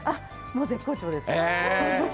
もう絶好調です。